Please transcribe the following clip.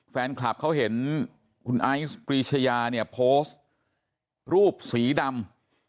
แฟนคลับเขาเห็นคุณไอซ์ปรีชยาเนี่ยโพสต์รูปสีดำ